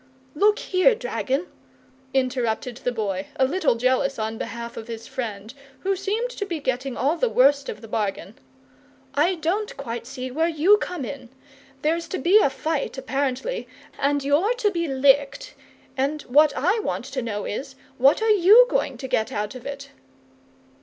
"Look here, dragon," interrupted the Boy, a little jealous on behalf of his friend, who seemed to be getting all the worst of the bargain: "I don't quite see where YOU come in! There's to be a fight, apparently, and you're to be licked; and what I want to know is, what are YOU going to get out of it?"